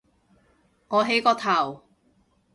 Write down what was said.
我起個頭